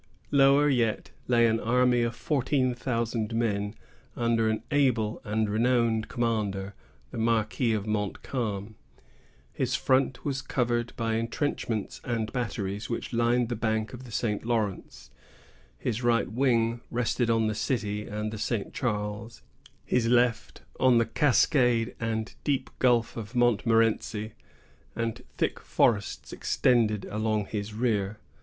Lower yet lay an army of fourteen thousand men, under an able and renowned commander, the Marquis of Montcalm. His front was covered by intrenchments and batteries, which lined the bank of the St. Lawrence; his right wing rested on the city and the St. Charles; his left, on the cascade and deep gulf of Montmorenci; and thick forests extended along his rear.